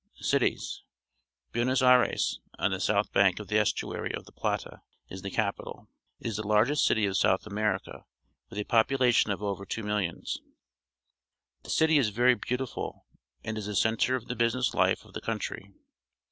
Cities. — Buenos Aires, on the south bank of the estuary of the Plata, is the capital. It is the largest city of South America, with a population of over two milhons. The city is very beautiful and is the centre of the business hfe of the country.